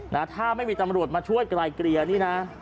นะถ้าไม่มีตำรวจมาช่วยไกลเกลี่ยนี่นะ